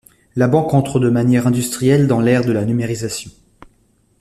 La banque entre de manière industrielle dans l'ère de la numérisation.